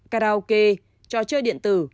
karaoke trò chơi điện tử